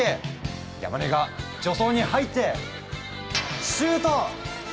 山根が助走に入ってシュート！